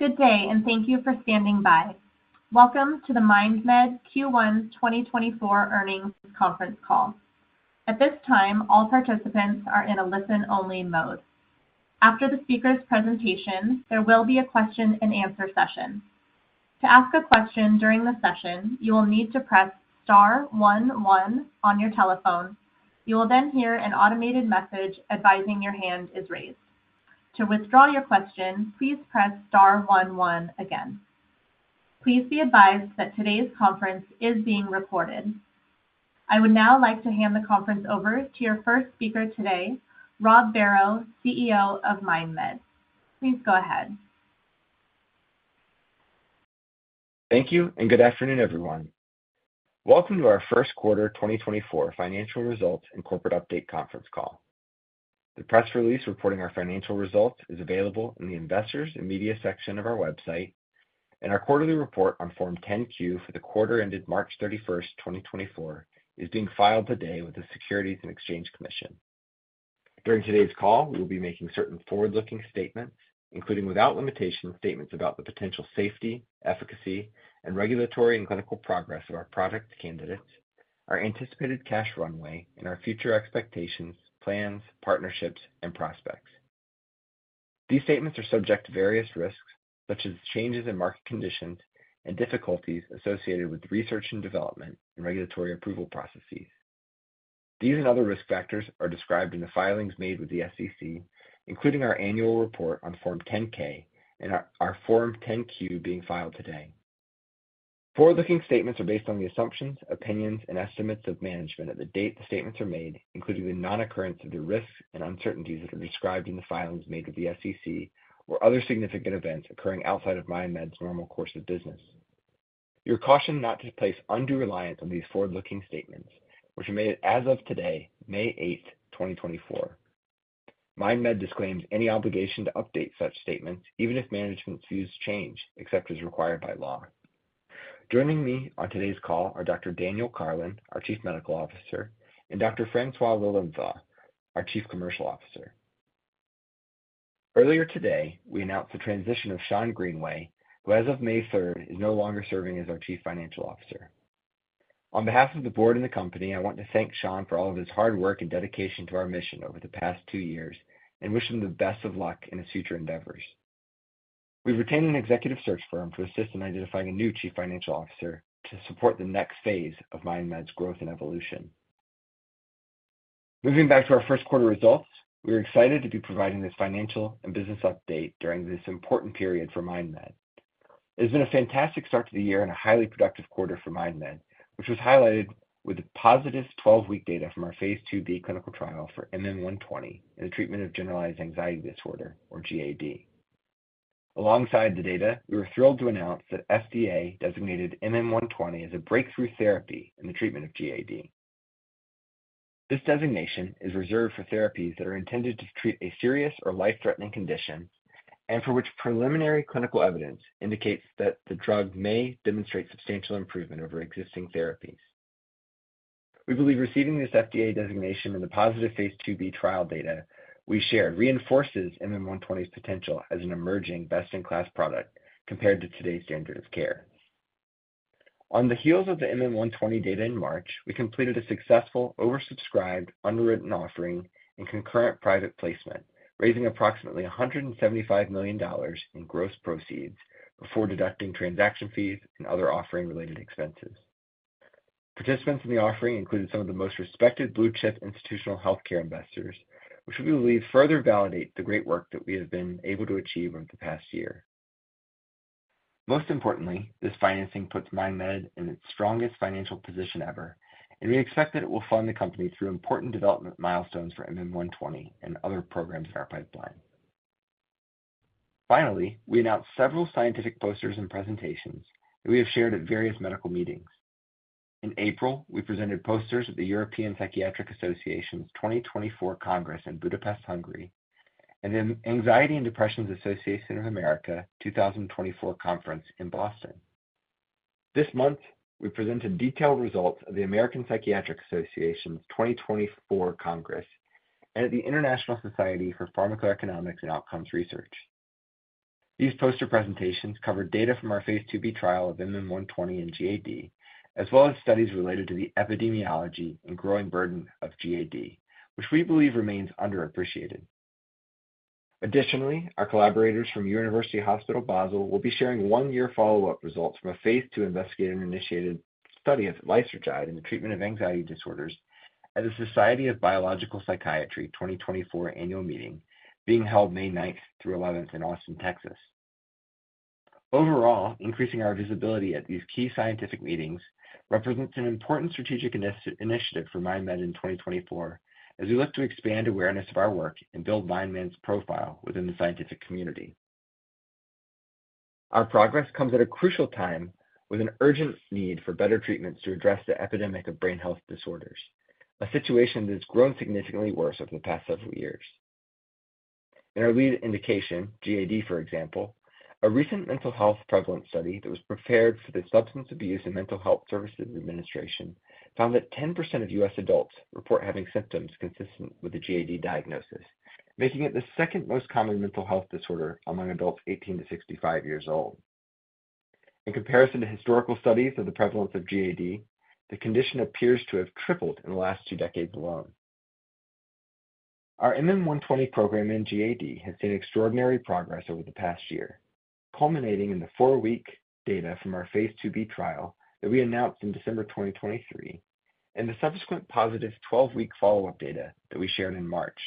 Good day, and thank you for standing by. Welcome to the MindMed Q1 2024 earnings conference call. At this time, all participants are in a listen-only mode. After the speaker's presentation, there will be a question and answer session. To ask a question during the session, you will need to press star one one on your telephone. You will then hear an automated message advising your hand is raised. To withdraw your question, please press star one one again. Please be advised that today's conference is being recorded. I would now like to hand the conference over to your first speaker today, Rob Barrow, CEO of MindMed. Please go ahead. Thank you, and good afternoon, everyone. Welcome to our first quarter 2024 financial results and corporate update conference call. The press release reporting our financial results is available in the Investors and Media section of our website, and our quarterly report on Form 10-Q for the quarter ended March 31st, 2024, is being filed today with the Securities and Exchange Commission. During today's call, we will be making certain forward-looking statements, including, without limitation, statements about the potential safety, efficacy, and regulatory and clinical progress of our product candidates, our anticipated cash runway, and our future expectations, plans, partnerships, and prospects. These statements are subject to various risks, such as changes in market conditions and difficulties associated with research and development and regulatory approval processes. These and other risk factors are described in the filings made with the SEC, including our annual report on Form 10-K and our Form 10-Q being filed today. Forward-looking statements are based on the assumptions, opinions, and estimates of management at the date the statements are made, including the non-occurrence of the risks and uncertainties that are described in the filings made with the SEC or other significant events occurring outside of MindMed's normal course of business. You are cautioned not to place undue reliance on these forward-looking statements, which are made as of today, May 8th, 2024. MindMed disclaims any obligation to update such statements, even if management's views change, except as required by law. Joining me on today's call are Dr. Daniel Karlin, our Chief Medical Officer, and Dr. François Lilienthal, our Chief Commercial Officer. Earlier today, we announced the transition of Schond Greenway, who as of May third, is no longer serving as our Chief Financial Officer. On behalf of the board and the company, I want to thank Schond for all of his hard work and dedication to our mission over the past two years and wish him the best of luck in his future endeavors. We've retained an executive search firm to assist in identifying a new Chief Financial Officer to support the next phase of MindMed's growth and evolution. Moving back to our first quarter results, we are excited to be providing this financial and business update during this important period for MindMed. It's been a fantastic start to the year and a highly productive quarter for MindMed, which was highlighted with the positive 12-week data from our phase II-B clinical trial for MM120 in the treatment of generalized anxiety disorder or GAD. Alongside the data, we were thrilled to announce that FDA designated MM120 as a breakthrough therapy in the treatment of GAD. This designation is reserved for therapies that are intended to treat a serious or life-threatening condition and for which preliminary clinical evidence indicates that the drug may demonstrate substantial improvement over existing therapies. We believe receiving this FDA designation and the positive phase II-B trial data we shared reinforces MM120's potential as an emerging best-in-class product compared to today's standard of care. On the heels of the MM120 data in March, we completed a successful oversubscribed underwritten offering and concurrent private placement, raising approximately $175 million in gross proceeds before deducting transaction fees and other offering-related expenses. Participants in the offering included some of the most respected blue-chip institutional healthcare investors, which we believe further validate the great work that we have been able to achieve over the past year. Most importantly, this financing puts MindMed in its strongest financial position ever, and we expect that it will fund the company through important development milestones for MM120 and other programs in our pipeline. Finally, we announced several scientific posters and presentations that we have shared at various medical meetings. In April, we presented posters at the European Psychiatric Association's 2024 Congress in Budapest, Hungary, and the Anxiety and Depression Association of America 2024 conference in Boston. This month, we presented detailed results of the American Psychiatric Association's 2024 Congress and at the International Society for Pharmacoeconomics and Outcomes Research. These poster presentations covered data from our phase II-B trial of MM120 and GAD, as well as studies related to the epidemiology and growing burden of GAD, which we believe remains underappreciated. Additionally, our collaborators from University Hospital Basel will be sharing one-year follow-up results from a phase II investigator-initiated study of lysergide in the treatment of anxiety disorders at the Society of Biological Psychiatry 2024 annual meeting being held May 9th-11th in Austin, Texas. Overall, increasing our visibility at these key scientific meetings represents an important strategic initiative for MindMed in 2024 as we look to expand awareness of our work and build MindMed's profile within the scientific community. Our progress comes at a crucial time with an urgent need for better treatments to address the epidemic of brain health disorders, a situation that has grown significantly worse over the past several years. In our lead indication, GAD, for example. A recent mental health prevalence study that was prepared for the Substance Abuse and Mental Health Services Administration found that 10% of U.S. adults report having symptoms consistent with a GAD diagnosis, making it the second most common mental health disorder among adults 18-65 years old. In comparison to historical studies of the prevalence of GAD, the condition appears to have tripled in the last two decades alone. Our MM120 program in GAD has seen extraordinary progress over the past year, culminating in the 4-week data from our phase II-B trial that we announced in December 2023, and the subsequent positive 12-week follow-up data that we shared in March.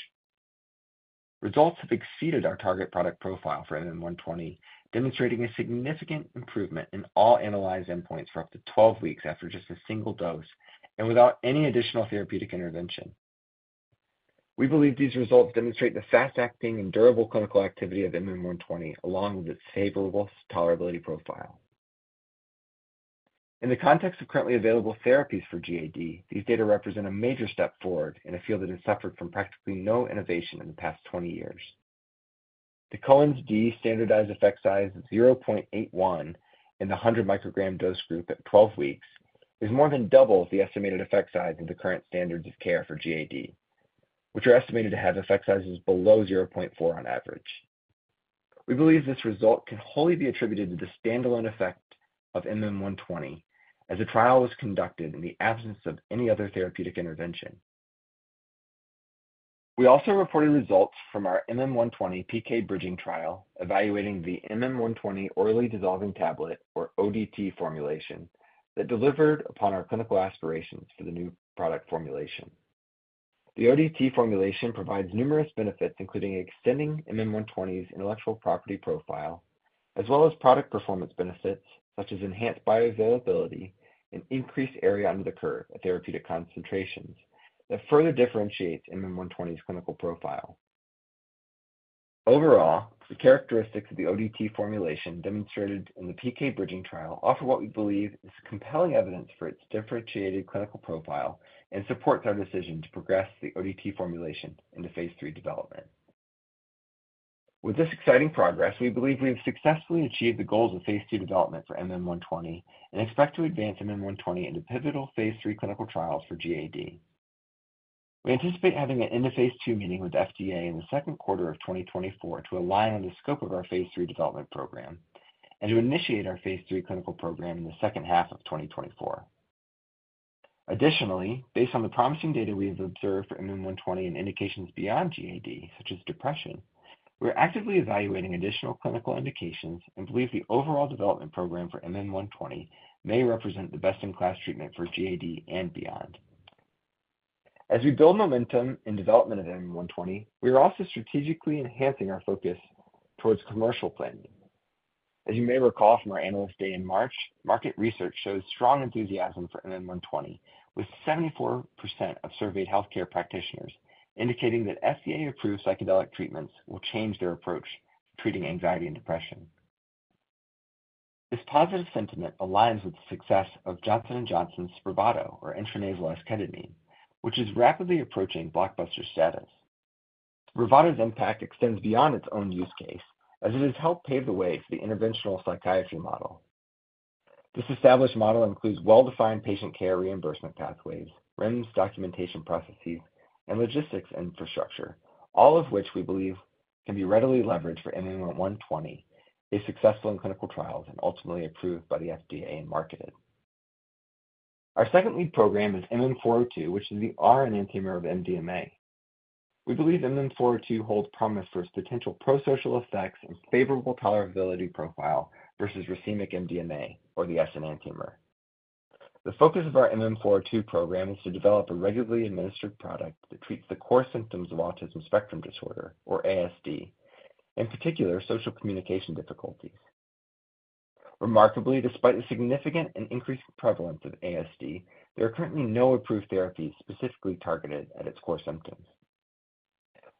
Results have exceeded our target product profile for MM120, demonstrating a significant improvement in all analyzed endpoints for up to 12 weeks after just a single dose and without any additional therapeutic intervention. We believe these results demonstrate the fast-acting and durable clinical activity of MM120, along with its favorable tolerability profile. In the context of currently available therapies for GAD, these data represent a major step forward in a field that has suffered from practically no innovation in the past 20 years. The Cohen's d standardized effect size of 0.81 in the 100-microgram dose group at 12 weeks is more than double the estimated effect size of the current standards of care for GAD, which are estimated to have effect sizes below 0.4 on average. We believe this result can wholly be attributed to the standalone effect of MM120, as the trial was conducted in the absence of any other therapeutic intervention. We also reported results from our MM120 PK bridging trial, evaluating the MM120 orally dissolving tablet or ODT formulation, that delivered upon our clinical aspirations for the new product formulation. The ODT formulation provides numerous benefits, including extending MM120's intellectual property profile, as well as product performance benefits such as enhanced bioavailability and increased area under the curve at therapeutic concentrations, that further differentiates MM120's clinical profile. Overall, the characteristics of the ODT formulation demonstrated in the PK bridging trial offer what we believe is compelling evidence for its differentiated clinical profile and supports our decision to progress the ODT formulation into phase III development. With this exciting progress, we believe we have successfully achieved the goals of phase II development for MM120 and expect to advance MM120 into pivotal phase III clinical trials for GAD. We anticipate having an end-of-phase II meeting with FDA in the second quarter of 2024 to align on the scope of our phase III development program and to initiate our phase III clinical program in the second half of 2024. Additionally, based on the promising data we have observed for MM120 in indications beyond GAD, such as depression, we are actively evaluating additional clinical indications and believe the overall development program for MM120 may represent the best-in-class treatment for GAD and beyond. As we build momentum in development of MM120, we are also strategically enhancing our focus towards commercial planning. As you may recall from our Analyst Day in March, market research shows strong enthusiasm for MM120, with 74% of surveyed healthcare practitioners indicating that FDA-approved psychedelic treatments will change their approach to treating anxiety and depression. This positive sentiment aligns with the success of Johnson & Johnson's Spravato, or intranasal esketamine, which is rapidly approaching blockbuster status. Spravato's impact extends beyond its own use case, as it has helped pave the way for the interventional psychiatry model. This established model includes well-defined patient care reimbursement pathways, REMS documentation processes, and logistics infrastructure, all of which we believe can be readily leveraged for MM120, if successful in clinical trials and ultimately approved by the FDA and marketed. Our second lead program is MM402, which is the R enantiomer of MDMA. We believe MM402 holds promise for its potential pro-social effects and favorable tolerability profile versus racemic MDMA or the S enantiomer. The focus of our MM402 program is to develop a regularly administered product that treats the core symptoms of autism spectrum disorder, or ASD, in particular, social communication difficulties. Remarkably, despite the significant and increased prevalence of ASD, there are currently no approved therapies specifically targeted at its core symptoms.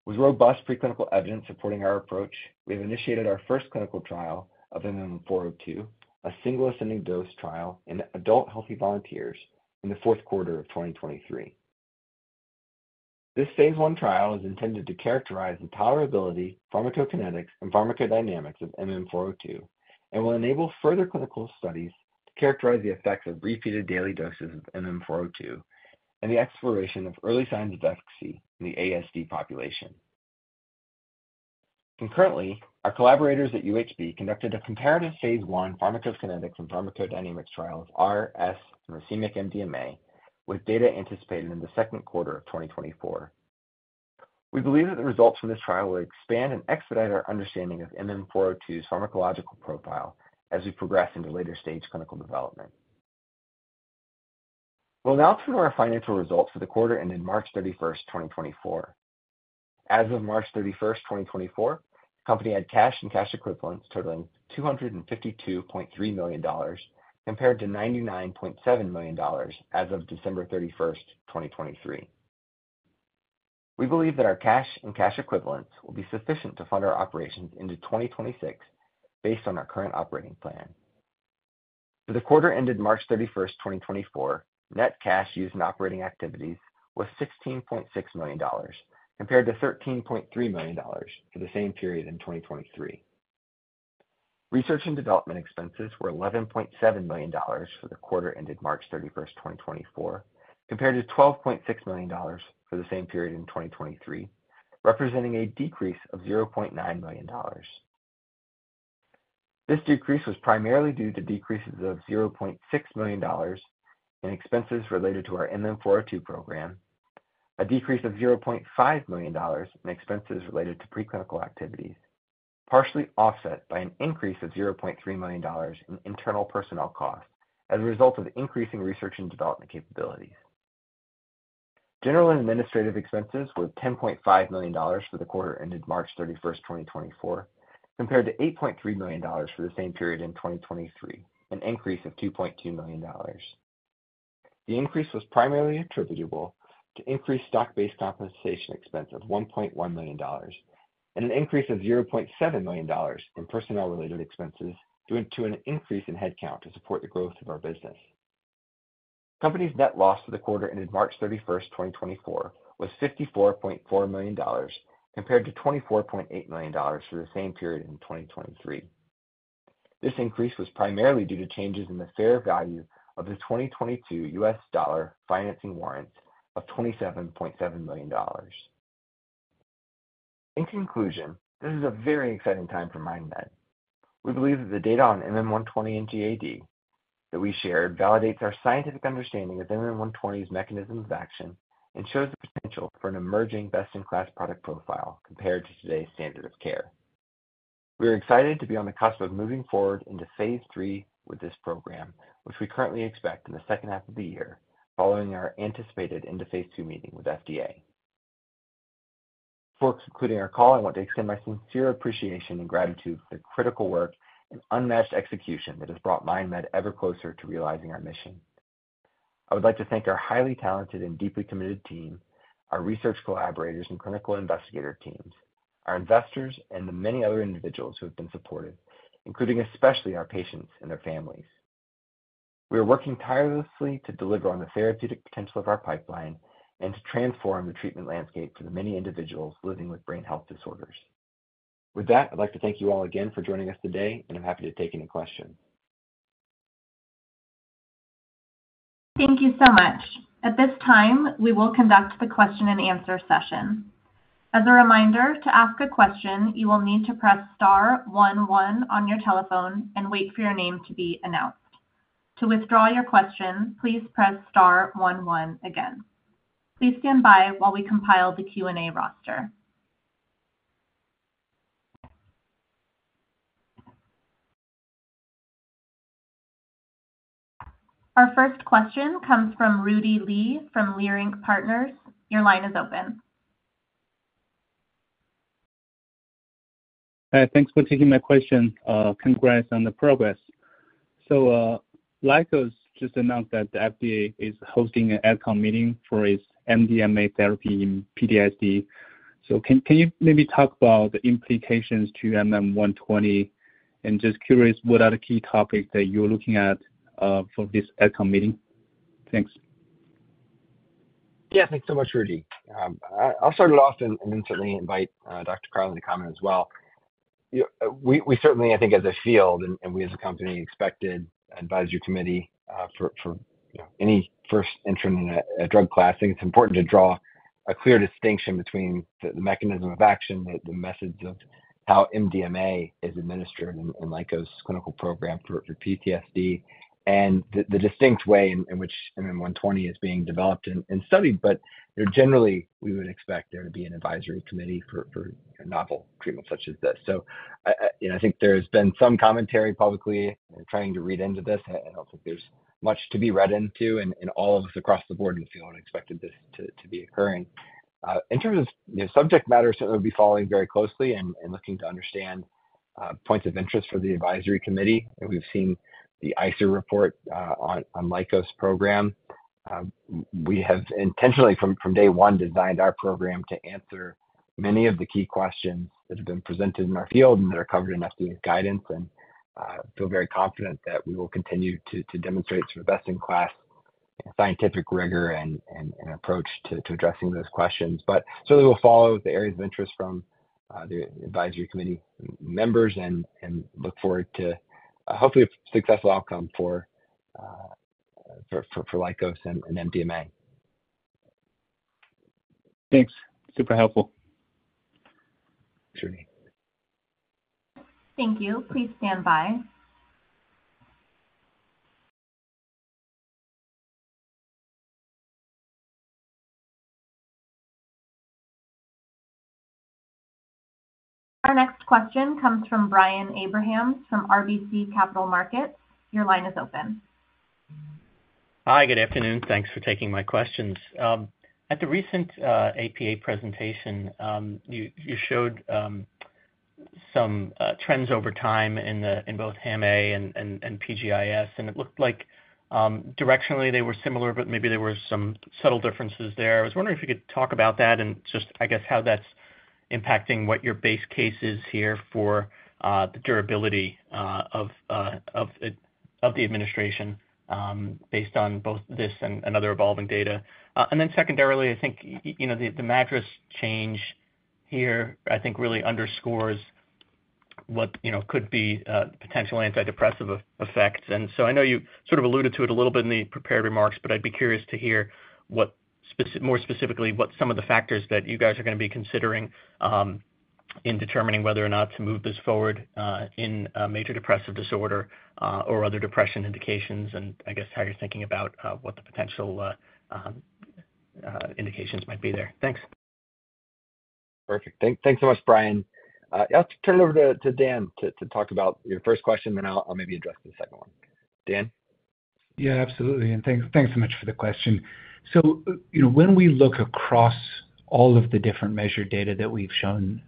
With robust preclinical evidence supporting our approach, we have initiated our first clinical trial of MM402, a single ascending dose trial in adult healthy volunteers in the fourth quarter of 2023. This phase I trial is intended to characterize the tolerability, pharmacokinetics, and pharmacodynamics of MM402 and will enable further clinical studies to characterize the effects of repeated daily doses of MM402 and the exploration of early signs of efficacy in the ASD population. Concurrently, our collaborators at UHB conducted a comparative phase I pharmacokinetics and pharmacodynamics trial of R, S, and racemic MDMA, with data anticipated in the second quarter of 2024. We believe that the results from this trial will expand and expedite our understanding of MM402's pharmacological profile as we progress into later-stage clinical development. We'll now turn to our financial results for the quarter ending March 31st, 2024. As of March 31st, 2024, the company had cash and cash equivalents totaling $252.3 million, compared to $99.7 million as of December 31, 2023. We believe that our cash and cash equivalents will be sufficient to fund our operations into 2026, based on our current operating plan.... For the quarter ended March 31st, 2024, net cash used in operating activities was $16.6 million, compared to $13.3 million for the same period in 2023. Research and development expenses were $11.7 million for the quarter ended March 31st, 2024, compared to $12.6 million for the same period in 2023, representing a decrease of $0.9 million. This decrease was primarily due to decreases of $0.6 million in expenses related to our MM402 program, a decrease of $0.5 million in expenses related to preclinical activities, partially offset by an increase of $0.3 million in internal personnel costs as a result of increasing research and development capabilities. General and administrative expenses were $10.5 million for the quarter ended March 31st, 2024, compared to $8.3 million for the same period in 2023, an increase of $2.2 million. The increase was primarily attributable to increased stock-based compensation expense of $1.1 million and an increase of $0.7 million in personnel-related expenses, due to an increase in headcount to support the growth of our business. Company's net loss for the quarter ended March 31st, 2024, was $54.4 million, compared to $24.8 million for the same period in 2023. This increase was primarily due to changes in the fair value of the 2022 U.S. dollar financing warrants of $27.7 million. In conclusion, this is a very exciting time for MindMed. We believe that the data on MM120 in GAD that we shared validates our scientific understanding of MM120's mechanisms of action and shows the potential for an emerging best-in-class product profile compared to today's standard of care. We are excited to be on the cusp of moving forward into phase III with this program, which we currently expect in the second half of the year, following our anticipated end of phase II meeting with FDA. Before concluding our call, I want to extend my sincere appreciation and gratitude for the critical work and unmatched execution that has brought MindMed ever closer to realizing our mission. I would like to thank our highly talented and deeply committed team, our research collaborators, and clinical investigator teams, our investors, and the many other individuals who have been supportive, including especially our patients and their families. We are working tirelessly to deliver on the therapeutic potential of our pipeline and to transform the treatment landscape for the many individuals living with brain health disorders. With that, I'd like to thank you all again for joining us today, and I'm happy to take any questions. Thank you so much. At this time, we will conduct the question-and-answer session. As a reminder, to ask a question, you will need to press star one one on your telephone and wait for your name to be announced. To withdraw your question, please press star one one again. Please stand by while we compile the Q&A roster. Our first question comes from Rudy Li from Leerink Partners. Your line is open. Hi, thanks for taking my question. Congrats on the progress. So, Lykos just announced that the FDA is hosting an AdCom meeting for its MDMA therapy in PTSD. So can you maybe talk about the implications to MM120? And just curious, what are the key topics that you're looking at for this AdCom meeting? Thanks. Yeah, thanks so much, Rudy. I'll start it off and instantly invite Dr. Karlin to comment as well. You know, we certainly, I think, as a field and we as a company, expected advisory committee for you know, any first entrant in a drug class. I think it's important to draw a clear distinction between the mechanism of action, the methods of how MDMA is administered in Lykos' clinical program for PTSD, and the distinct way in which MM120 is being developed and studied. But generally, we would expect there to be an advisory committee for a novel treatment such as this. So, you know, I think there's been some commentary publicly trying to read into this. I don't think there's much to be read into, and all of us across the board in the field expected this to be occurring. In terms of, you know, subject matter, certainly will be following very closely and looking to understand points of interest for the advisory committee. And we've seen the ICER report on Lykos program. We have intentionally, from day one, designed our program to answer many of the key questions that have been presented in our field and that are covered in FDA guidance, and feel very confident that we will continue to demonstrate some best-in-class scientific rigor and an approach to addressing those questions. But certainly, we'll follow the areas of interest from the advisory committee members and look forward to hopefully a successful outcome for Lykos and MDMA. Thanks. Super helpful. Sure. Thank you. Please stand by. Our next question comes from Brian Abrahams from RBC Capital Markets. Your line is open. Hi, good afternoon. Thanks for taking my questions. At the recent APA presentation, you showed some trends over time in both HAM-A and PGI-S, and it looked like directionally they were similar, but maybe there were some subtle differences there. I was wondering if you could talk about that and just, I guess, how that's impacting what your base case is here for the durability of the administration, based on both this and other evolving data. And then secondarily, I think, you know, the MADRS change here, I think, really underscores what, you know, could be a potential antidepressive effect. And so I know you sort of alluded to it a little bit in the prepared remarks, but I'd be curious to hear what more specifically, what some of the factors that you guys are gonna be considering, in determining whether or not to move this forward, in a major depressive disorder, or other depression indications, and I guess how you're thinking about, what the potential, indications might be there. Thanks. Perfect. Thanks so much, Brian. I'll turn it over to Dan to talk about your first question, then I'll maybe address the second one. Dan? Yeah, absolutely. And thanks, thanks so much for the question. So, you know, when we look across all of the different measured data that we've shown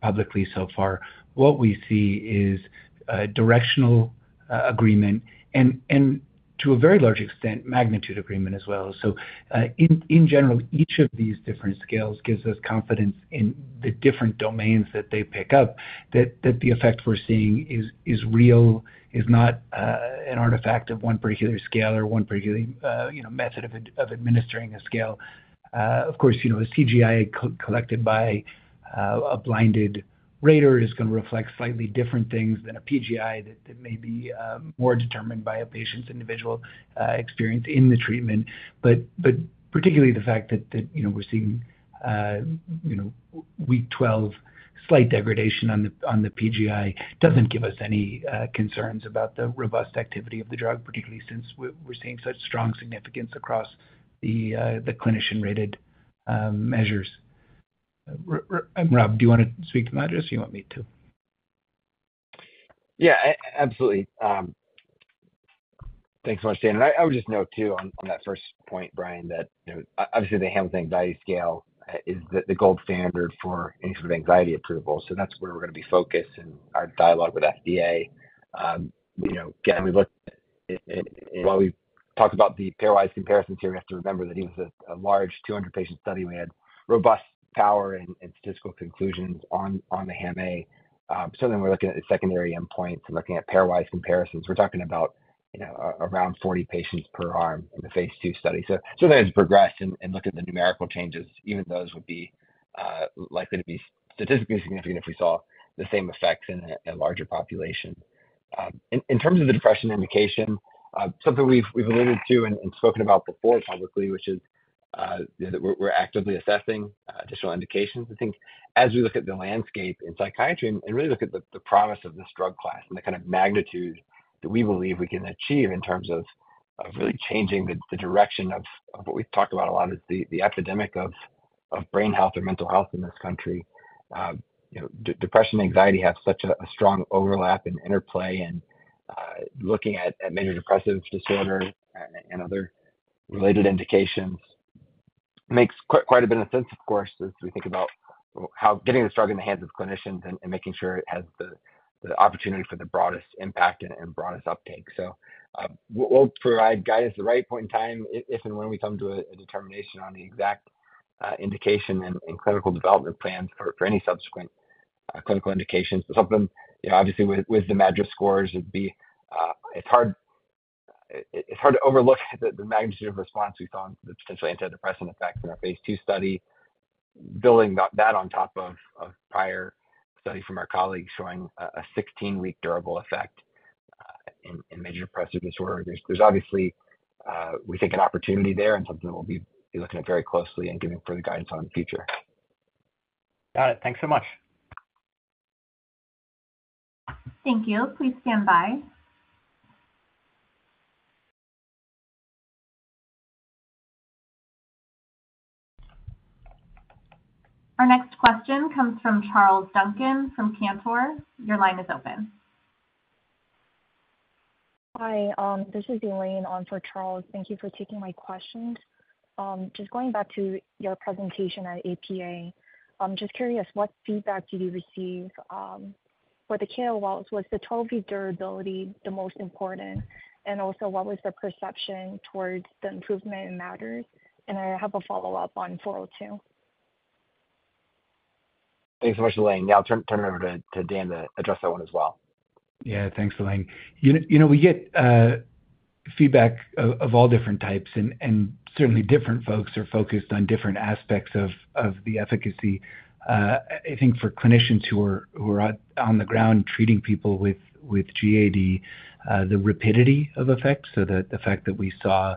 publicly so far, what we see is a directional agreement and, and to a very large extent, magnitude agreement as well. So, in general, each of these different scales gives us confidence in the different domains that they pick up, that the effect we're seeing is real, is not an artifact of one particular scale or one particular, you know, method of administering a scale. Of course, you know, a CGI collected by a blinded rater is gonna reflect slightly different things than a PGI that may be more determined by a patient's individual experience in the treatment. But particularly the fact that, you know, we're seeing, you know, week 12, slight degradation on the PGI doesn't give us any concerns about the robust activity of the drug, particularly since we're seeing such strong significance across the clinician-rated measures. Rob, do you want to speak to MADRS, or you want me to? Yeah, absolutely. Thanks so much, Dan. I would just note, too, on that first point, Brian, that, you know, obviously, the Hamilton Anxiety Scale is the gold standard for any sort of anxiety approval. So that's where we're gonna be focused in our dialogue with FDA. Again, while we've talked about the pairwise comparisons here, we have to remember that even with a large 200-patient study, we had robust power and statistical conclusions on the HAM-A. Certainly, we're looking at the secondary endpoints and looking at pairwise comparisons. We're talking about, you know, around 40 patients per arm in the phase II study. So certainly as we progress and look at the numerical changes, even those would be likely to be statistically significant if we saw the same effects in a larger population. In terms of the depression indication, something we've alluded to and spoken about before publicly, which is, you know, that we're actively assessing additional indications. I think as we look at the landscape in psychiatry and really look at the promise of this drug class and the kind of magnitude that we believe we can achieve in terms of really changing the direction of what we've talked about a lot, is the epidemic of brain health and mental health in this country. You know, depression and anxiety have such a strong overlap and interplay and looking at major depressive disorder and other related indications makes quite a bit of sense, of course, as we think about how getting this drug in the hands of clinicians and making sure it has the opportunity for the broadest impact and broadest uptake. So, we'll provide guidance at the right point in time, if and when we come to a determination on the exact indication and clinical development plans for any subsequent clinical indications. But something, you know, obviously with the MADRS scores, would be... It's hard, it's hard to overlook the magnitude of response we saw on the potentially antidepressant effects in our phase II study. Building that on top of prior studies from our colleagues showing a 16-week durable effect in major depressive disorder, there's obviously, we think, an opportunity there and something we'll be looking at very closely and giving further guidance on in the future. Got it. Thanks so much. Thank you. Please stand by. Our next question comes from Charles Duncan from Cantor. Your line is open. Hi, this is Elaine on for Charles. Thank you for taking my questions. Just going back to your presentation at APA, just curious, what feedback did you receive for the CHEO walls? Was the 12-week durability the most important? And also, what was the perception towards the improvement in MADRS? And I have a follow-up on 402. Thanks so much, Elaine. Yeah, I'll turn it over to Dan to address that one as well. Yeah, thanks, Elaine. You know, you know, we get feedback of all different types, and certainly different folks are focused on different aspects of the efficacy. I think for clinicians who are out on the ground treating people with GAD, the rapidity of effect, so the fact that we saw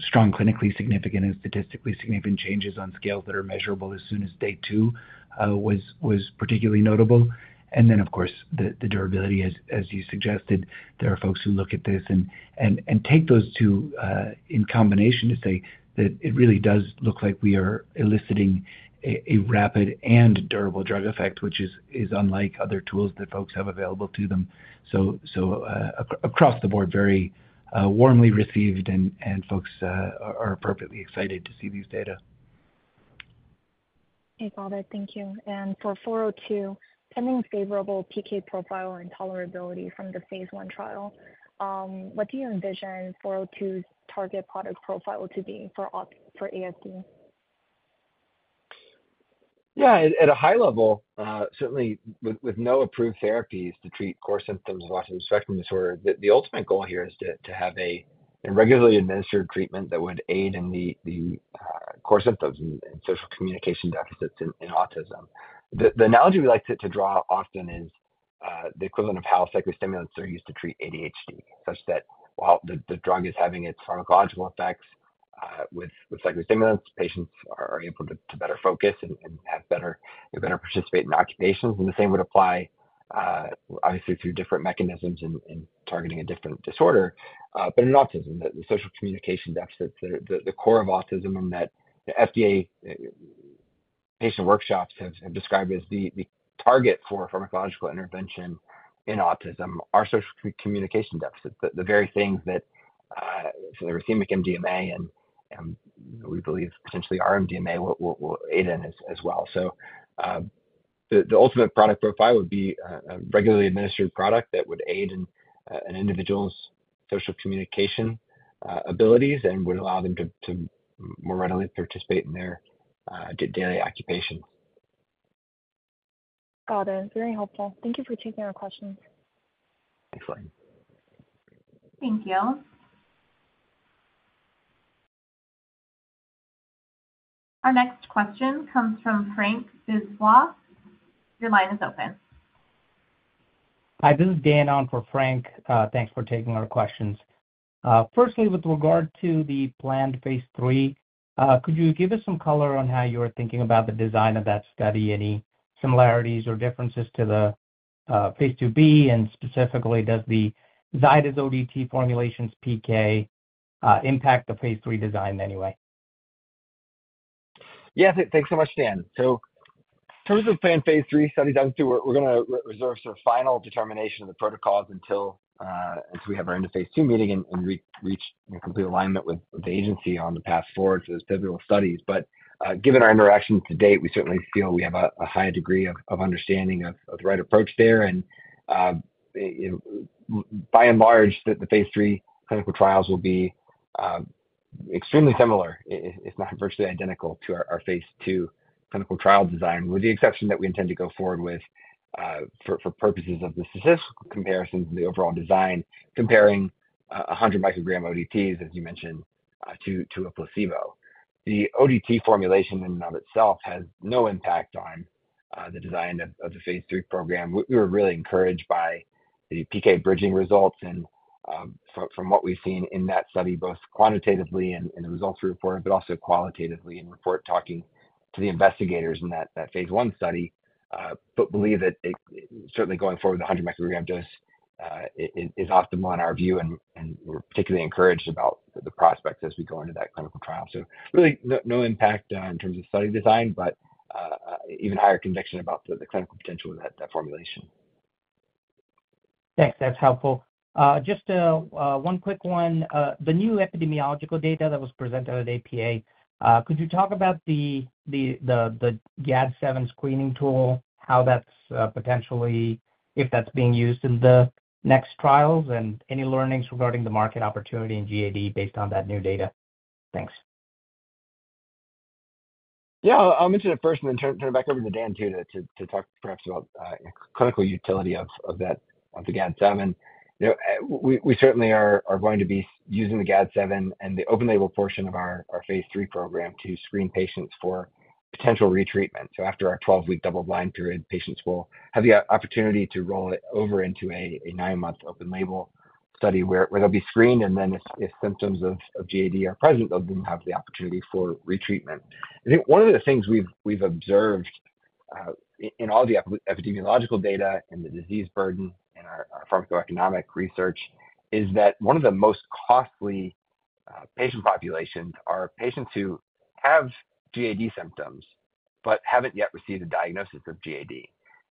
strong, clinically significant and statistically significant changes on scales that are measurable as soon as day 2, was particularly notable. And then, of course, the durability, as you suggested, there are folks who look at this and take those two in combination to say that it really does look like we are eliciting a rapid and durable drug effect, which is unlike other tools that folks have available to them. Across the board, very warmly received, and folks are appropriately excited to see these data. Okay, got it. Thank you. And for 402, pending favorable PK profile and tolerability from the phase I trial, what do you envision 402's target product profile to be for ASD? Yeah, at a high level, certainly with no approved therapies to treat core symptoms of autism spectrum disorder, the ultimate goal here is to have a regularly administered treatment that would aid in the core symptoms and social communication deficits in autism. The analogy we like to draw often is the equivalent of how psychostimulants are used to treat ADHD, such that while the drug is having its pharmacological effects, with psychostimulants, patients are able to better focus and have better—they better participate in occupations. And the same would apply, obviously, through different mechanisms and targeting a different disorder, but in autism, the social communication deficits, the core of autism and that the FDA patient workshops have described as the target for pharmacological intervention in autism are social communication deficits. The very things that so the racemic MDMA and we believe potentially our MDMA will aid in as well. So, the ultimate product profile would be a regularly administered product that would aid in an individual's social communication abilities and would allow them to more readily participate in their daily occupations. Got it. Very helpful. Thank you for taking our questions. Thanks, Elaine. Thank you. Our next question comes from François Brisebois. Your line is open. Hi, this is Dan on for Frank. Thanks for taking our questions. Firstly, with regard to the planned phase III, could you give us some color on how you're thinking about the design of that study? Any similarities or differences to the phase II-B, and specifically, does the Zydis ODT formulation's PK impact the phase III design in any way? Yeah, thanks so much, Dan. So in terms of planned phase III study, we're gonna reserve sort of final determination of the protocols until we have our end of phase II meeting and reach complete alignment with the agency on the path forward to those pivotal studies. But, given our interactions to date, we certainly feel we have a high degree of understanding of the right approach there. And, you know, by and large, the phase III clinical trials will be extremely similar, if not virtually identical, to our phase II clinical trial design, with the exception that we intend to go forward with, for purposes of the statistical comparisons and the overall design, comparing 100 microgram ODTs, as you mentioned, to a placebo. The ODT formulation in and of itself has no impact on the design of the phase III program. We were really encouraged by the PK bridging results and from what we've seen in that study, both quantitatively and the results reported, but also qualitatively in report talking to the investigators in that phase I study. But believe that it certainly going forward, the 100 microgram dose is optimal in our view, and we're particularly encouraged about the prospects as we go into that clinical trial. So really, no impact in terms of study design, but even higher conviction about the clinical potential of that formulation. Thanks. That's helpful. Just one quick one. The new epidemiological data that was presented at APA, could you talk about the GAD-7 screening tool, how that's potentially, if that's being used in the next trials, and any learnings regarding the market opportunity in GAD based on that new data? Thanks. Yeah. I'll mention it first and then turn it back over to Dan, too, to talk perhaps about clinical utility of that of the GAD-7. You know, we certainly are going to be using the GAD-7 and the open label portion of our phase III program to screen patients for potential retreatment. So after our 12-week double-blind period, patients will have the opportunity to roll it over into a 9-month open label study where they'll be screened, and then if symptoms of GAD are present, they'll then have the opportunity for retreatment. I think one of the things we've observed in all the epidemiological data and the disease burden and our pharmacoeconomic research is that one of the most costly patient populations are patients who have GAD symptoms but haven't yet received a diagnosis of GAD,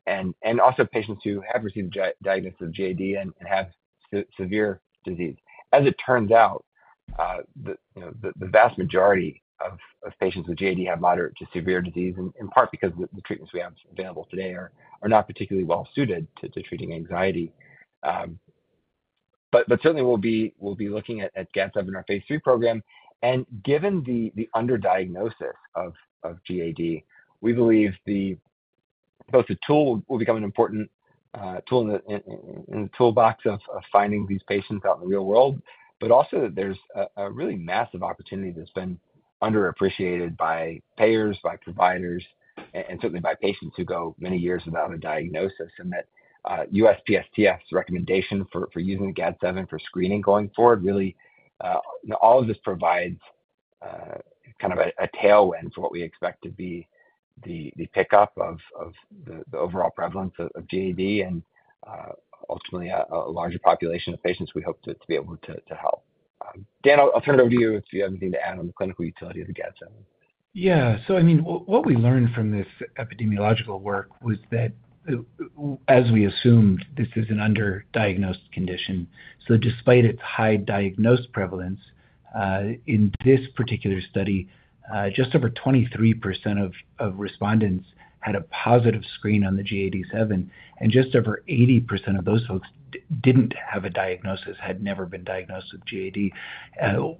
and also patients who have received a diagnosis of GAD and have severe disease. As it turns out, you know, the vast majority of patients with GAD have moderate to severe disease, in part because the treatments we have available today are not particularly well suited to treating anxiety. But certainly we'll be looking at GAD-7 in our phase III program, and given the underdiagnosis of GAD, we believe that both the tool will become an important tool in the toolbox of finding these patients out in the real world, but also that there's a really massive opportunity that's been underappreciated by payers, by providers, and certainly by patients who go many years without a diagnosis. And that USPSTF's recommendation for using GAD-7 for screening going forward really, you know, all of this provides kind of a tailwind for what we expect to be the pickup of the overall prevalence of GAD and ultimately a larger population of patients we hope to be able to help. Dan, I'll turn it over to you if you have anything to add on the clinical utility of the GAD-7.... Yeah, so I mean, what we learned from this epidemiological work was that, as we assumed, this is an underdiagnosed condition. So despite its high diagnosed prevalence, in this particular study, just over 23% of respondents had a positive screen on the GAD-7, and just over 80% of those folks didn't have a diagnosis, had never been diagnosed with GAD.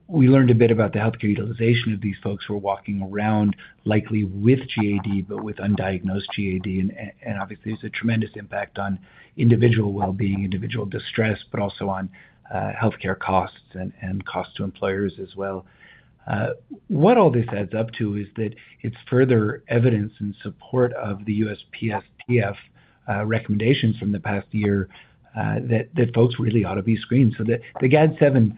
We learned a bit about the healthcare utilization of these folks who are walking around, likely with GAD, but with undiagnosed GAD, and obviously, there's a tremendous impact on individual well-being, individual distress, but also on healthcare costs and costs to employers as well. What all this adds up to is that it's further evidence in support of the USPSTF recommendations from the past year, that folks really ought to be screened. So the GAD-7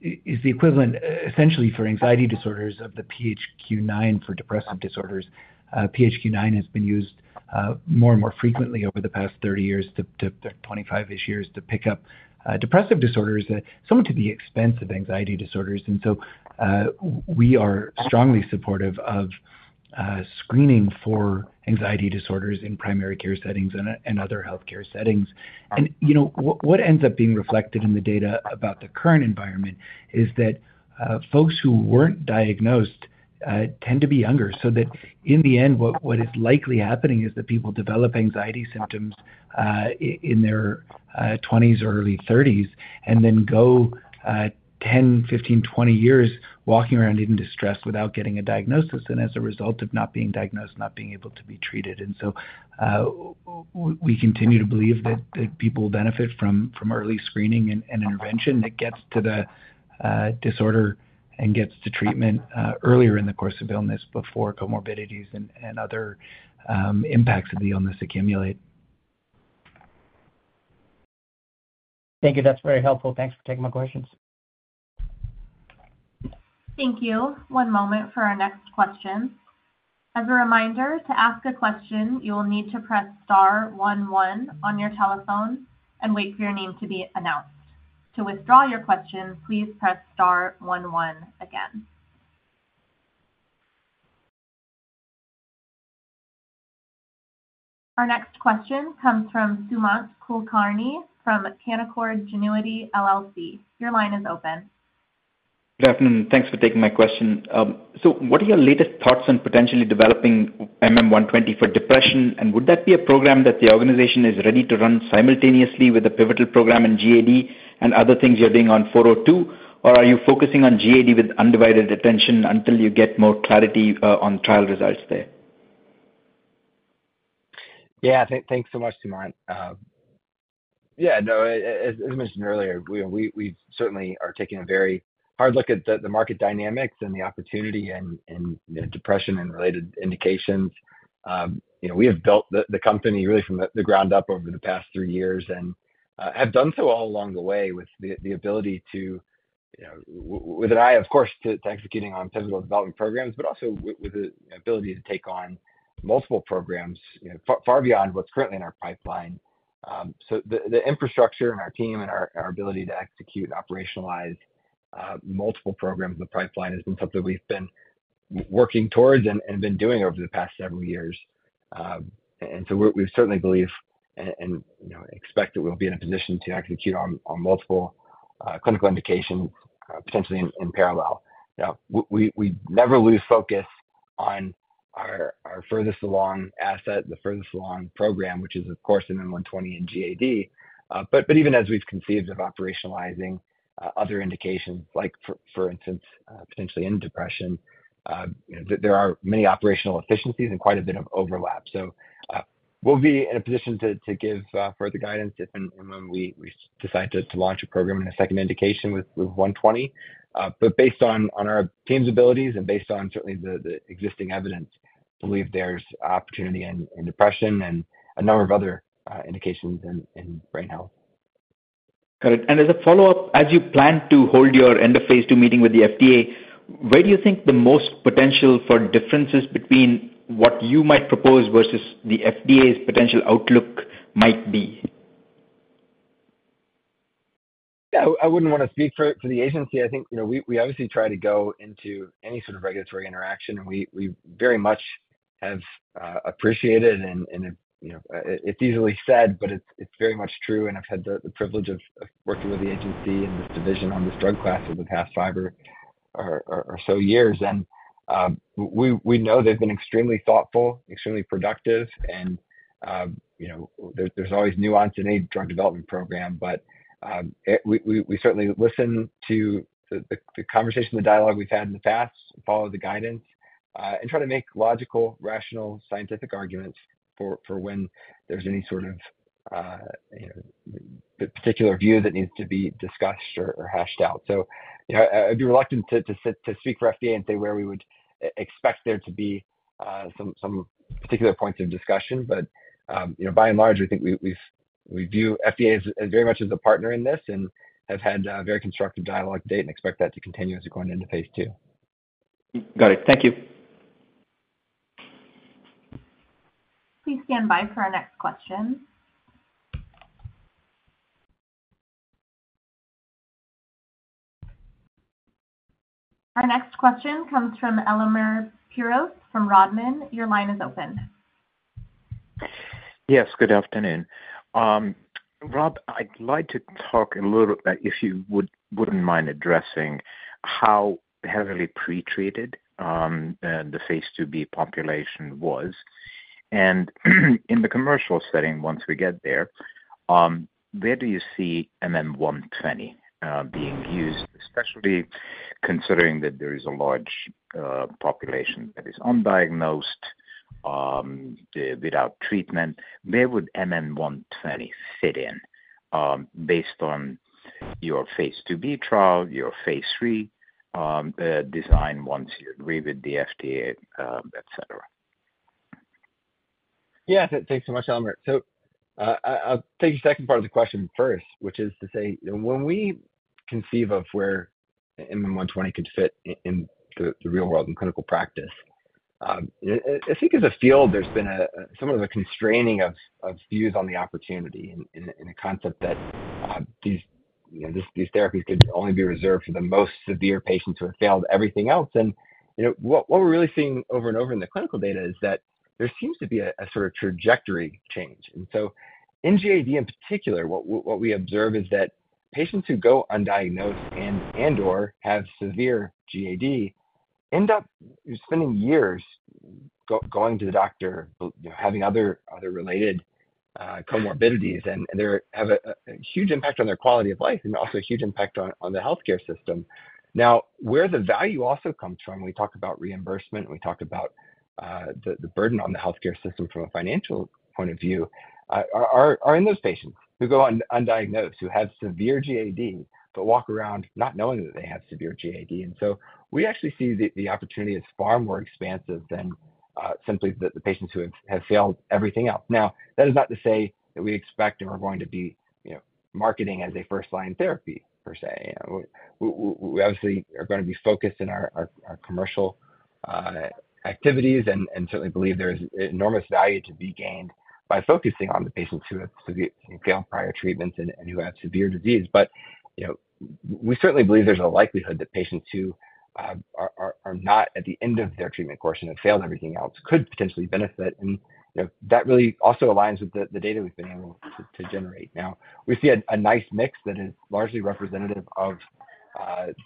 is the equivalent, essentially, for anxiety disorders of the PHQ-9 for depressive disorders. PHQ-9 has been used more and more frequently over the past 30 years, 25-ish years, to pick up depressive disorders, somewhat to the expense of anxiety disorders. And so we are strongly supportive of screening for anxiety disorders in primary care settings and other healthcare settings. And, you know, what ends up being reflected in the data about the current environment is that folks who weren't diagnosed tend to be younger. So that in the end, what is likely happening is that people develop anxiety symptoms in their twenties or early thirties, and then go 10, 15, 20 years walking around in distress without getting a diagnosis, and as a result of not being diagnosed, not being able to be treated. And so, we continue to believe that people benefit from early screening and intervention that gets to the disorder and gets to treatment earlier in the course of illness before comorbidities and other impacts of the illness accumulate. Thank you. That's very helpful. Thanks for taking my questions. Thank you. One moment for our next question. As a reminder, to ask a question, you will need to press star one one on your telephone and wait for your name to be announced. To withdraw your question, please press star one one again. Our next question comes from Sumant Kulkarni from Canaccord Genuity LLC. Your line is open. Good afternoon. Thanks for taking my question. So what are your latest thoughts on potentially developing MM120 for depression? And would that be a program that the organization is ready to run simultaneously with the pivotal program in GAD and other things you're doing on 402? Or are you focusing on GAD with undivided attention until you get more clarity, on trial results there? Yeah, thanks so much, Sumant. Yeah, no, as mentioned earlier, we certainly are taking a very hard look at the market dynamics and the opportunity and, you know, depression and related indications. You know, we have built the company really from the ground up over the past three years and have done so all along the way with the ability to, you know, with an eye, of course, to executing on pivotal development programs, but also with the ability to take on multiple programs, you know, far beyond what's currently in our pipeline. So the infrastructure and our team and our ability to execute, operationalize multiple programs in the pipeline has been something we've been working towards and been doing over the past several years. And so we certainly believe and, you know, expect that we'll be in a position to execute on multiple clinical indications potentially in parallel. Now, we never lose focus on our furthest along asset, the furthest along program, which is, of course, MM120 and GAD. But even as we've conceived of operationalizing other indications, like, for instance, potentially in depression, you know, there are many operational efficiencies and quite a bit of overlap. So, we'll be in a position to give further guidance if and when we decide to launch a program in a second indication with 120. But based on, on our team's abilities and based on certainly the existing evidence, believe there's opportunity in depression and a number of other indications in right now. Got it. As a follow-up, as you plan to hold your end of phase II meeting with the FDA, where do you think the most potential for differences between what you might propose versus the FDA's potential outlook might be? Yeah, I wouldn't want to speak for the agency. I think, you know, we obviously try to go into any sort of regulatory interaction, and we very much have appreciated and, you know, it's easily said, but it's very much true, and I've had the privilege of working with the agency and this division on this drug class for the past five or so years. And, we know they've been extremely thoughtful, extremely productive, and, you know, there's always nuance in any drug development program. But, we certainly listen to the conversation, the dialogue we've had in the past, follow the guidance, and try to make logical, rational, scientific arguments for when there's any sort of, you know, particular view that needs to be discussed or hashed out. So, you know, I'd be reluctant to speak for FDA and say where we would expect there to be some particular points of discussion. But, you know, by and large, I think we view FDA as very much as a partner in this and have had very constructive dialogue to date and expect that to continue as we're going into phase II. Got it. Thank you. Please stand by for our next question. Our next question comes from Elemer Piros from Rodman. Your line is open. Yes, good afternoon. Rob, I'd like to talk a little bit, if you would, wouldn't mind addressing how heavily pretreated the phase II-B population was. And in the commercial setting, once we get there, where do you see MM120 being used, especially considering that there is a large population that is undiagnosed without treatment, where would MM120 fit in, based on your phase II-B trial, your phase III design, once you agree with the FDA, et cetera? Yeah, thanks so much, Elemer. So, I'll take the second part of the question first, which is to say, when we conceive of where MM120 could fit in the real world in clinical practice, I think as a field, there's been some of the constraining of views on the opportunity in a concept that, you know, these therapies could only be reserved for the most severe patients who have failed everything else. And, you know, what we're really seeing over and over in the clinical data is that there seems to be a sort of trajectory change. In GAD in particular, what we observe is that patients who go undiagnosed and/or have severe GAD end up spending years going to the doctor, you know, having other related comorbidities, and they have a huge impact on their quality of life and also a huge impact on the healthcare system. Now, where the value also comes from, we talk about reimbursement, we talk about the burden on the healthcare system from a financial point of view, are in those patients who go undiagnosed, who have severe GAD, but walk around not knowing that they have severe GAD. And so we actually see the opportunity as far more expansive than simply the patients who have failed everything else. Now, that is not to say that we expect and we're going to be, you know, marketing as a first-line therapy per se. You know, we obviously are gonna be focused in our commercial activities and certainly believe there is enormous value to be gained by focusing on the patients who have failed prior treatments and who have severe disease. But, you know, we certainly believe there's a likelihood that patients who are not at the end of their treatment course and have failed everything else could potentially benefit. And, you know, that really also aligns with the data we've been able to generate. Now, we see a nice mix that is largely representative of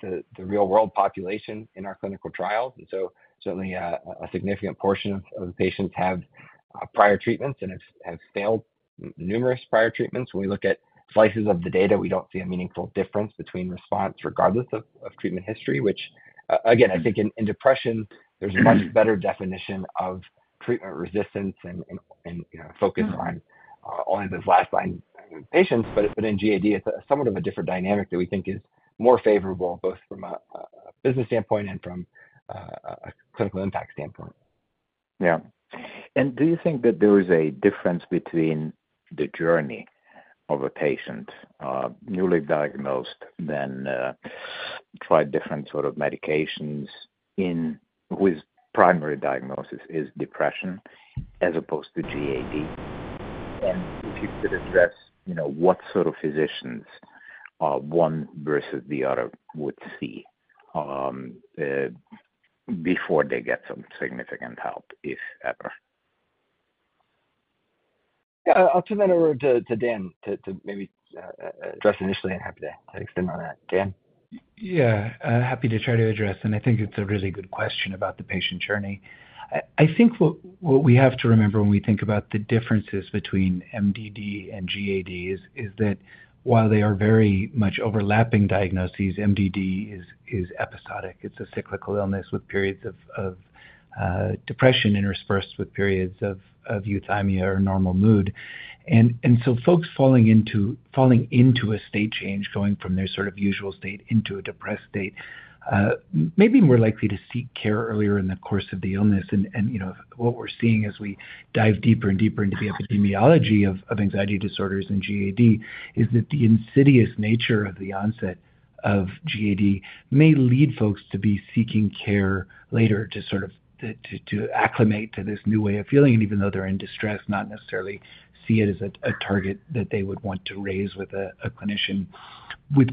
the real-world population in our clinical trials, and so certainly a significant portion of the patients have prior treatments and have failed numerous prior treatments. When we look at slices of the data, we don't see a meaningful difference between response, regardless of treatment history, which again, I think in depression, there's a much better definition of treatment resistance and you know, focus on only those last line patients. But in GAD, it's a somewhat of a different dynamic that we think is more favorable, both from a business standpoint and from a clinical impact standpoint. Yeah. And do you think that there is a difference between the journey of a patient newly diagnosed than try different sort of medications in whose primary diagnosis is depression as opposed to GAD? And if you could address, you know, what sort of physicians one versus the other would see before they get some significant help, if ever. Yeah, I'll turn that over to Dan to maybe address initially, and happy to extend on that. Dan? Yeah, happy to try to address, and I think it's a really good question about the patient journey. I think what we have to remember when we think about the differences between MDD and GAD is that while they are very much overlapping diagnoses, MDD is episodic. It's a cyclical illness with periods of depression interspersed with periods of euthymia or normal mood. And so folks falling into a state change, going from their sort of usual state into a depressed state, may be more likely to seek care earlier in the course of the illness. And you know, what we're seeing as we dive deeper and deeper into the epidemiology of anxiety disorders in GAD, is that the insidious nature of the onset of GAD may lead folks to be seeking care later, to sort of to acclimate to this new way of feeling, and even though they're in distress, not necessarily see it as a target that they would want to raise with a clinician. With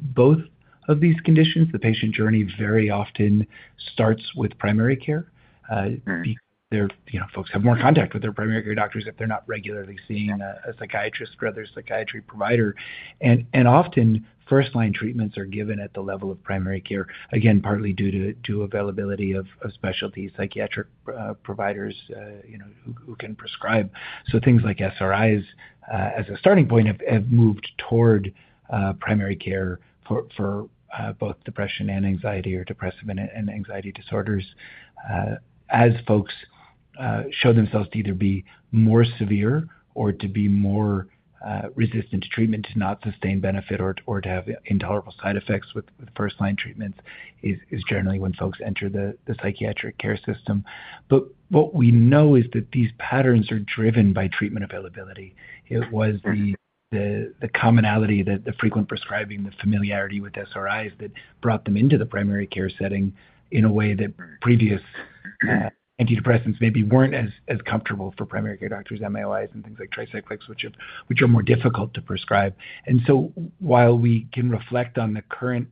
both of these conditions, the patient journey very often starts with primary care. Mm. You know, folks have more contact with their primary care doctors if they're not regularly seeing a psychiatrist or other psychiatry provider. And often, first-line treatments are given at the level of primary care, again, partly due to availability of specialty psychiatric providers, you know, who can prescribe. So things like SRIs, as a starting point, have moved toward primary care for both depression and anxiety or depressive and anxiety disorders. As folks show themselves to either be more severe or to be more resistant to treatment, to not sustain benefit or to have intolerable side effects with first-line treatments, is generally when folks enter the psychiatric care system. But what we know is that these patterns are driven by treatment availability. It was the commonality that the frequent prescribing, the familiarity with SRIs, that brought them into the primary care setting in a way that previous antidepressants maybe weren't as comfortable for primary care doctors, MAOIs, and things like tricyclics, which are more difficult to prescribe. And so while we can reflect on the current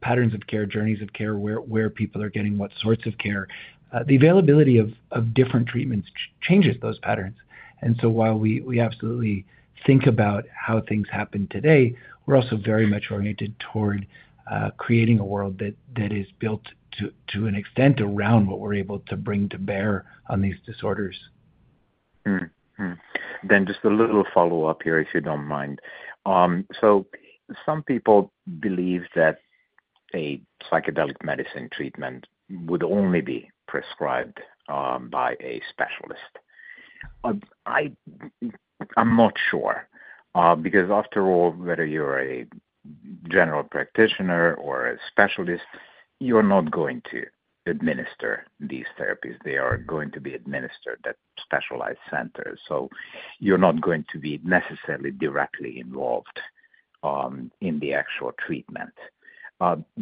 patterns of care, journeys of care, where people are getting what sorts of care, the availability of different treatments changes those patterns. And so while we absolutely think about how things happen today, we're also very much oriented toward creating a world that is built to an extent around what we're able to bring to bear on these disorders. Then just a little follow-up here, if you don't mind. So some people believe that a psychedelic medicine treatment would only be prescribed by a specialist. But I'm not sure, because after all, whether you're a general practitioner or a specialist, you're not going to administer these therapies. They are going to be administered at specialized centers, so you're not going to be necessarily directly involved in the actual treatment.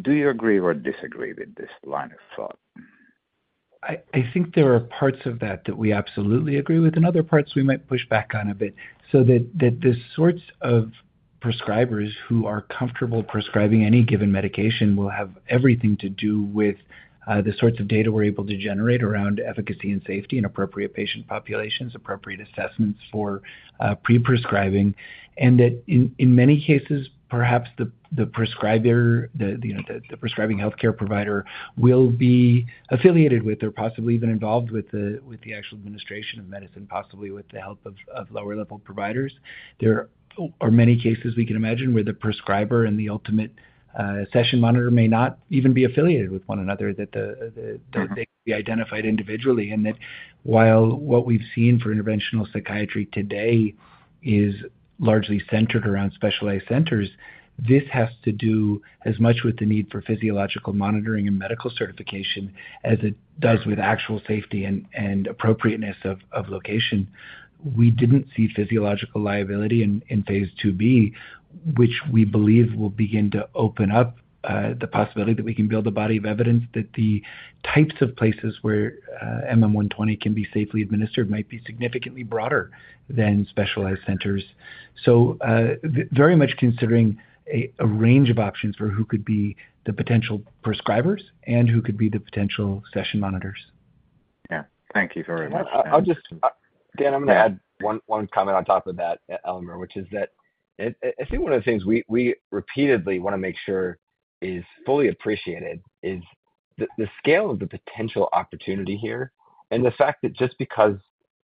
Do you agree or disagree with this line of thought? I think there are parts of that that we absolutely agree with and other parts we might push back on a bit. So that the sorts of prescribers who are comfortable prescribing any given medication will have everything to do with the sorts of data we're able to generate around efficacy and safety and appropriate patient populations, appropriate assessments for pre-prescribing. And that in many cases, perhaps the prescriber, you know, the prescribing healthcare provider will be affiliated with or possibly even involved with the actual administration of medicine, possibly with the help of lower-level providers. There are many cases we can imagine where the prescriber and the ultimate session monitor may not even be affiliated with one another, that the- Mm-hmm. that they be identified individually. And that while what we've seen for interventional psychiatry today is largely centered around specialized centers, this has to do as much with the need for physiological monitoring and medical certification as it does- Mm-hmm... with actual safety and appropriateness of location. We didn't see physiological liability in phase II-B, which we believe will begin to open up the possibility that we can build a body of evidence that the types of places where MM120 can be safely administered might be significantly broader than specialized centers. So, very much considering a range of options for who could be the potential prescribers and who could be the potential session monitors. Yeah. Thank you very much. I'll just, Dan, I'm going to add one comment on top of that, Elemer, which is that I think one of the things we repeatedly want to make sure is fully appreciated is the scale of the potential opportunity here and the fact that just because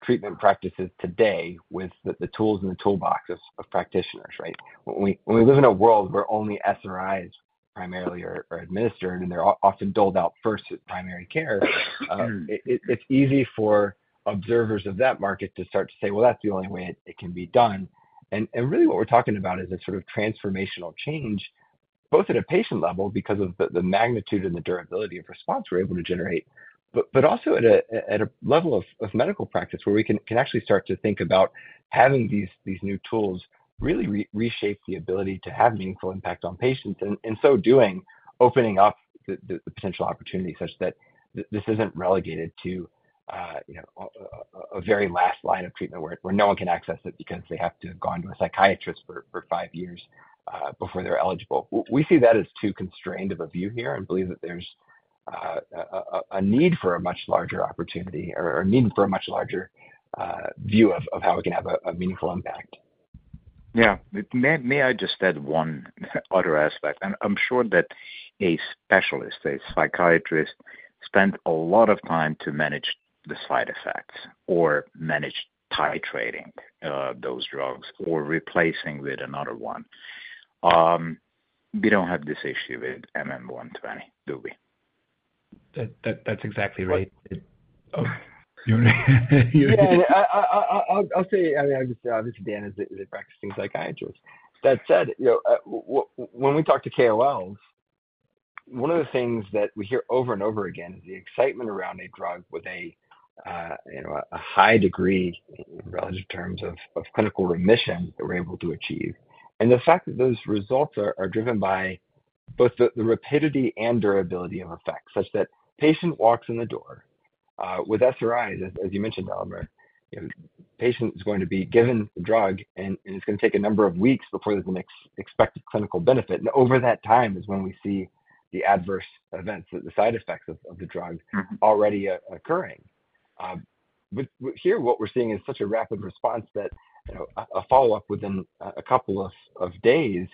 treatment practices today, with the tools in the toolbox of practitioners, right? When we live in a world where only SRIs primarily are administered, and they're often doled out first at primary care, it's easy for observers of that market to start to say, "Well, that's the only way it can be done." And really what we're talking about is a sort of transformational change, both at a patient level because of the magnitude and the durability of response we're able to generate, but also at a level of medical practice, where we can actually start to think about having these new tools really reshape the ability to have meaningful impact on patients. And in so doing, opening up the potential opportunity such that this isn't relegated to, you know, a very last line of treatment where no one can access it because they have to have gone to a psychiatrist for five years before they're eligible. We see that as too constrained of a view here and believe that there's a need for a much larger opportunity or a need for a much larger view of how we can have a meaningful impact. Yeah. May I just add one other aspect, and I'm sure that a specialist, a psychiatrist, spent a lot of time to manage the side effects or manage titrating those drugs or replacing with another one. We don't have this issue with MM120, do we? That's exactly right. Oh. Yeah. I'll say, I mean, obviously, Dan is a practicing psychiatrist. That said, you know, when we talk to KOLs, one of the things that we hear over and over again is the excitement around a drug with, you know, a high degree in relative terms of clinical remission that we're able to achieve. And the fact that those results are driven by both the rapidity and durability of effect, such that patient walks in the door with SRIs, as you mentioned, Elemer, you know, patient is going to be given the drug, and it's going to take a number of weeks before there's an expected clinical benefit. And over that time is when we see the adverse events, the side effects of the drug- Mm-hmm... already occurring. But here, what we're seeing is such a rapid response that, you know, a follow-up within a couple of days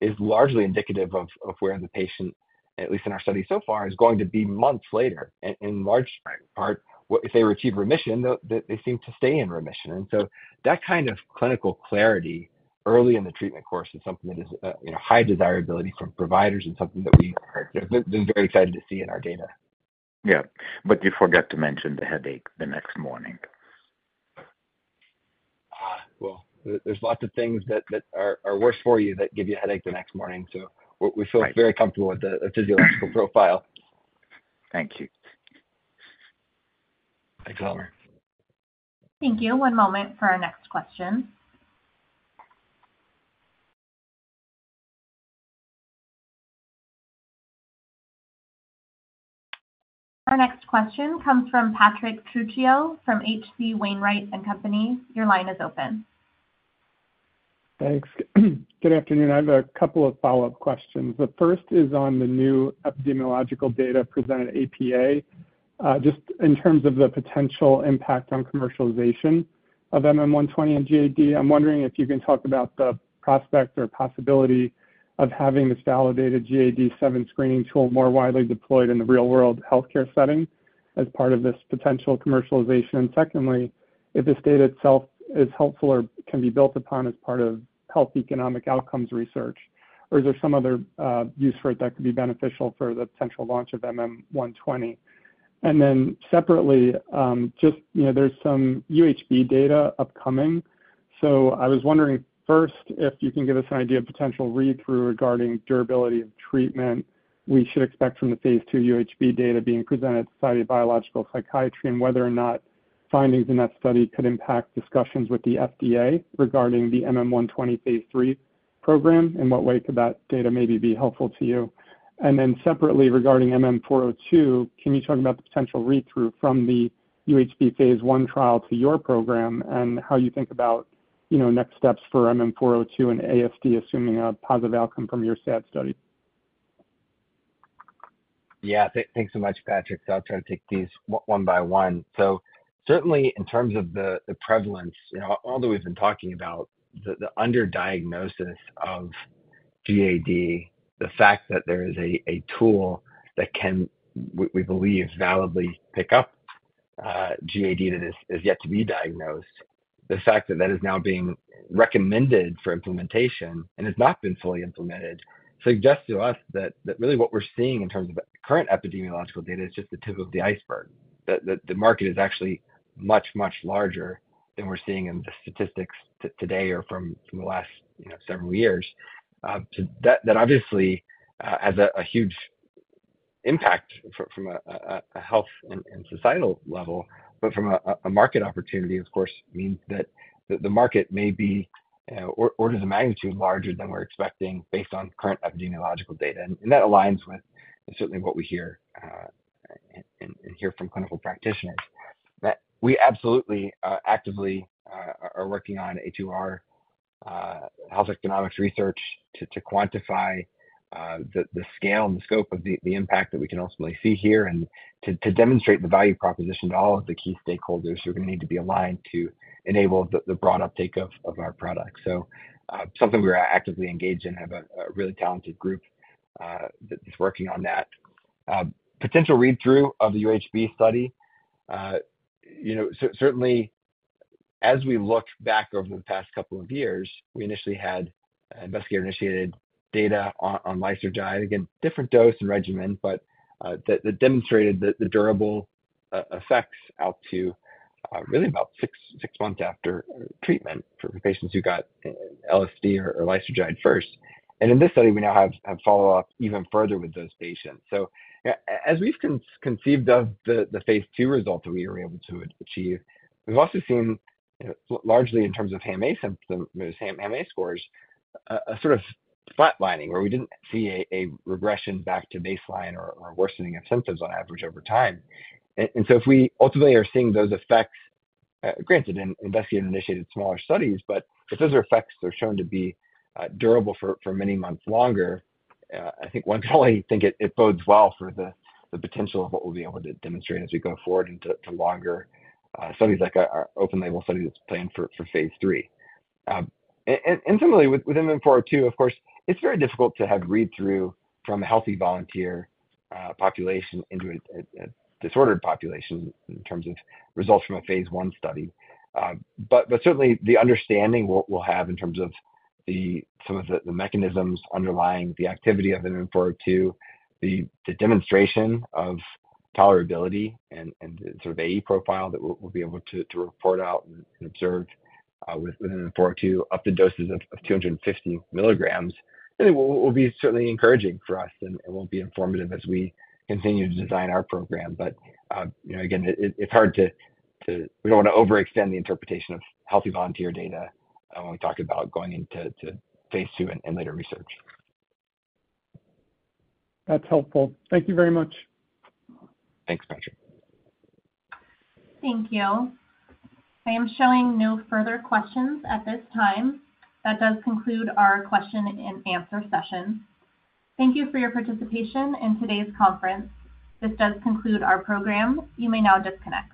is largely indicative of where the patient, at least in our study so far, is going to be months later. And in large part, if they achieve remission, they seem to stay in remission. And so that kind of clinical clarity early in the treatment course is something that is, you know, high desirability from providers and something that we are very excited to see in our data. Yeah, but you forgot to mention the headache the next morning. Ah, well, there's lots of things that are worse for you that give you a headache the next morning. So we feel- Right... very comfortable with the physiological profile. Thank you. Thanks, Elemer. Thank you. One moment for our next question. Our next question comes from Patrick Trucchio from H.C. Wainwright & Co. Your line is open. Thanks. Good afternoon. I have a couple of follow-up questions. The first is on the new epidemiological data presented at APA. Just in terms of the potential impact on commercialization of MM120 and GAD, I'm wondering if you can talk about the prospect or possibility of having this validated GAD-7 screening tool more widely deployed in the real-world healthcare setting as part of this potential commercialization. And secondly, if this data itself is helpful or can be built upon as part of health economic outcomes research, or is there some other use for it that could be beneficial for the potential launch of MM120? And then separately, just, you know, there's some UHB data upcoming. So I was wondering, first, if you can give us an idea of potential read-through regarding durability of treatment we should expect from the phase II UHB data being presented at Society of Biological Psychiatry, and whether or not findings in that study could impact discussions with the FDA regarding the MM120 phase III program. In what way could that data maybe be helpful to you? And then separately, regarding MM402, can you talk about the potential read-through from the UHB phase I trial to your program, and how you think about, you know, next steps for MM402 and ASD, assuming a positive outcome from your SAD study? Yeah. Thanks so much, Patrick. So I'll try to take these one by one. So certainly, in terms of the prevalence, you know, all that we've been talking about, the underdiagnosis of GAD, the fact that there is a tool that can, we believe, validly pick up GAD that is yet to be diagnosed. The fact that that is now being recommended for implementation and has not been fully implemented suggests to us that really what we're seeing in terms of the current epidemiological data is just the tip of the iceberg. That the market is actually much, much larger than we're seeing in the statistics today or from the last, you know, several years. To that obviously has a huge impact from a health and societal level, but from a market opportunity, of course, means that the market may be orders of magnitude larger than we're expecting, based on current epidemiological data. And that aligns with certainly what we hear from clinical practitioners, that we absolutely actively are working on a HEOR Health Economics and Outcomes Research to quantify the scale and the scope of the impact that we can ultimately see here, and to demonstrate the value proposition to all of the key stakeholders who are going to need to be aligned to enable the broad uptake of our product. So, something we're actively engaged in, have a really talented group that is working on that. Potential read-through of the UHB study. You know, certainly, as we look back over the past couple of years, we initially had investigator-initiated data on lysergide. Again, different dose and regimen, but that demonstrated the durable effects out to really about six months after treatment for patients who got LSD or lysergide first. And in this study, we now have follow-up even further with those patients. So as we've conceived of the phase II result that we were able to achieve, we've also seen, largely in terms of HAM-A symptoms, those HAM-A scores, a sort of flatlining where we didn't see a regression back to baseline or worsening of symptoms on average over time. And so if we ultimately are seeing those effects, granted in investigator-initiated smaller studies, but if those effects are shown to be durable for many months longer, I think one can only think it bodes well for the potential of what we'll be able to demonstrate as we go forward into longer studies like our open label study that's planned for phase III. And similarly, with MM402, of course, it's very difficult to have read-through from a healthy volunteer population into a disordered population in terms of results from a phase I study. But certainly, the understanding we'll have in terms of the, some of the mechanisms underlying the activity of MM402, the demonstration of tolerability and the sort of a profile that we'll be able to report out and observed with MM402, up to doses of 250 mg, I think will be certainly encouraging for us, and it will be informative as we continue to design our program. But you know, again, it's hard to, we don't want to overextend the interpretation of healthy volunteer data when we talk about going into phase II and later research. That's helpful. Thank you very much. Thanks, Patrick. Thank you. I am showing no further questions at this time. That does conclude our question and answer session. Thank you for your participation in today's conference. This does conclude our program. You may now disconnect.